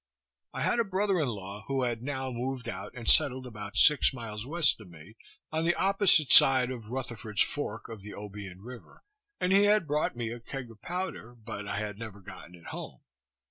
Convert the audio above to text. I had a brother in law who had now moved out and settled about six miles west of me, on the opposite side of Rutherford's fork of the Obion river, and he had brought me a keg of powder, but I had never gotten it home.